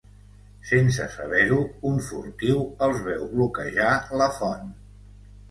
Sense saber-ho, un furtiu els veu bloquejar la font.